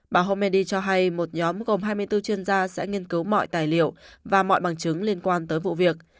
bà homedi cho hay một nhóm gồm hai mươi bốn chuyên gia sẽ nghiên cứu mọi tài liệu và mọi bằng chứng liên quan tới vụ việc